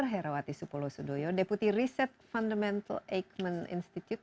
herawati supolosudoyo deputi riset fundamental aikman institute